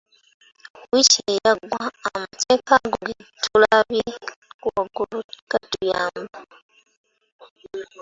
Wiiki eyaggwa, amateeka ago ge tulabye waggulu gatuyamba.